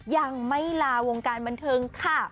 ยังไม่ลาวงการบันเทิงค่ะ